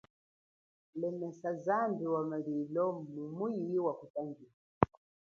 Lemesa zambi wa kumalilu mumu iye wa kutangile.